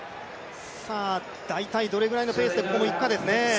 大体どれくらいのペースでいくかですね。